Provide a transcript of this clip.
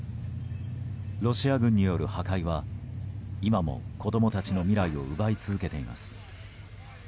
ロシア軍による破壊は今も子供たちの未来を奪い続けています。